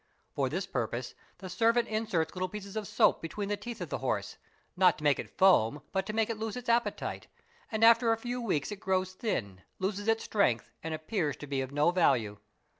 For this purpose the servant inserts little pieces of soap between the teeth of the horse, not to make it foam but to make it lose its appetite, and after a few weeks it grows thin, lose its strength, and appears to be of no value.